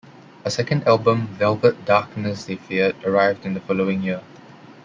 A second album "Velvet Darkness They Fear" arrived in the following year.